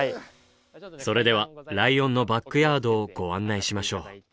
それではライオンのバックヤードをご案内しましょう。